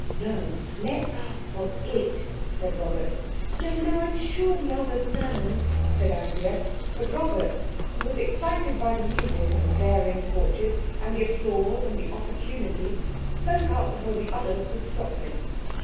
"No, let's ask for It," said Robert. "No, no, I'm sure the other's manners," said Anthea. But Robert, who was excited by the music, and the flaring torches, and the applause and the opportunity, spoke up before the others could stop him.